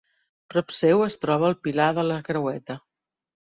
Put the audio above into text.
Prop seu es troba el pilar de la Creueta.